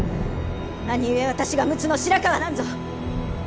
何故私が陸奥の白河なんぞ！